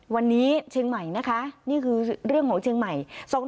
วันนี้เชียงใหม่นะคะนี่คือเรื่องของเชียงใหม่